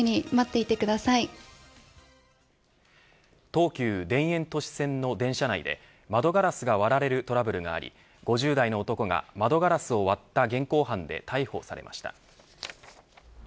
東急田園都市線の電車内で窓ガラスが割られるトラブルがあり５０代の男が窓ガラスを割った現行犯で逮捕されました。